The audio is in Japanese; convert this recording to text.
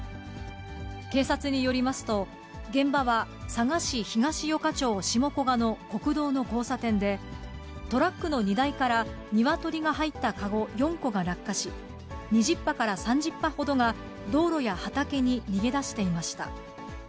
警察によりますと、現場は佐賀市東与賀町下古賀の国道の交差点で、トラックの荷台から鶏が入った籠４個が落下し、２０羽から３０羽ほどが道路や畑に逃げ出していました。